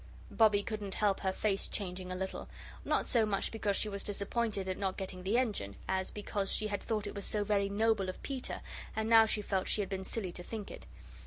Bobbie couldn't help her face changing a little not so much because she was disappointed at not getting the engine, as because she had thought it so very noble of Peter, and now she felt she had been silly to think it.